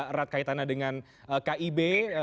erat kaitannya dengan kib